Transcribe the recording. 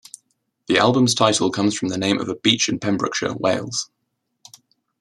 The album's title comes from the name of a beach in Pembrokeshire, Wales.